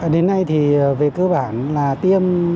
đến nay thì về cơ bản là tiêm